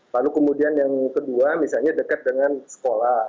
lalu kemudian yang kedua misalnya dekat dengan sekolah